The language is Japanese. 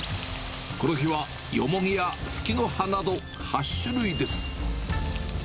この日は、ヨモギやふきのはなど、８種類です。